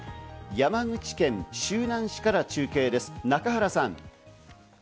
山口県周南市から中継です、中原さん。